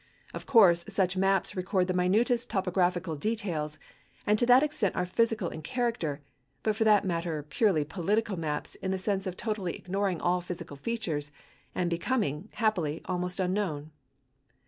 Of course, such maps record the minutest topographical details, and to that extent are physical in character, but for that matter, purely political maps in the sense of totally ignoring all physical features, are becoming, happily, almost unknown.